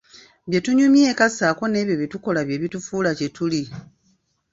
Bye tunyumya eka ssaako n'ebyo bye tukola bye bitufuula kye tuli.